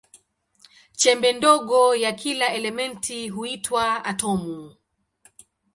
Chembe ndogo ya kila elementi huitwa atomu.